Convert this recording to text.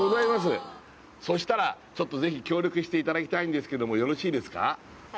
そしたらちょっとぜひ協力していただきたいんですけどもよろしいですか？